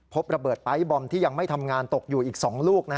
พบระเบิดปลายบอมที่ยังไม่ทำงานตกอยู่อีก๒ลูก